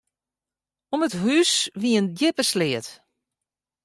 Om it hús wie in djippe sleat.